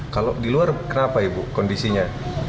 kalau di luar kenapa ibu kondisinya